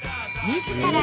自ら？